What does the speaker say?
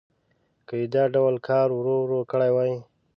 که یې دا ډول کار ورو ورو کړی وای.